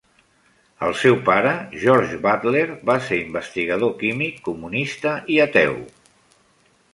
El seu pare, George Butler, va ser investigador químic, comunista i ateu.